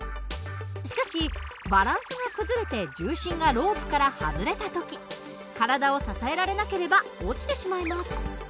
しかしバランスが崩れて重心がロープから外れた時体を支えられなければ落ちてしまいます。